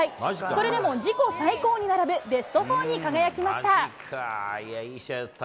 それでも自己最高に並ぶベスト４に輝きました。